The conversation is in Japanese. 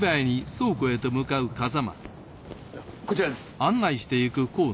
こちらです。